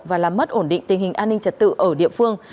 và làm mất ổn định tình hình an ninh trật tự ở địa phương